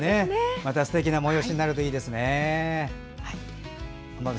またすてきな催しになるといいですね。